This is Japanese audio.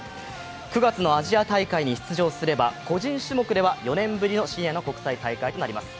９月のアジア大会に出場すれば、個人種目では４年ぶりのシニアの国際大会となります。